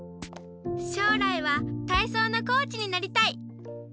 しょうらいはたいそうのコーチになりたい！